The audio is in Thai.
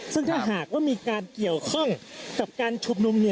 ซึ่งถ้าหากมาต่อการเกี่ยวข้องกับการฉบหนุ่ม